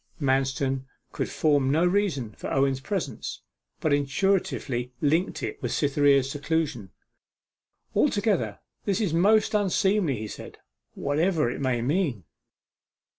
Manston could form no reason for Owen's presence, but intuitively linked it with Cytherea's seclusion. 'Altogether this is most unseemly,' he said, 'whatever it may mean.